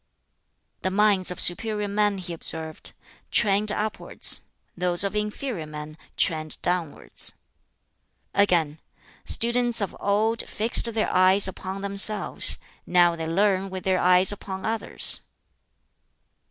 "The minds of superior men," he observed, "trend upwards; those of inferior men trend downwards." Again, "Students of old fixed their eyes upon themselves: now they learn with their eyes upon others."